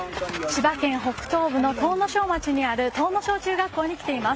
千葉県北東部の東庄町にある東庄中学校に来ています。